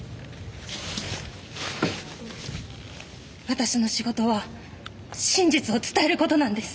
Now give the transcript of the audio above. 私の仕事は真実を伝えることなんです。